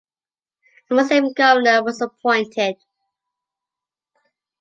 A Muslim governor was appointed.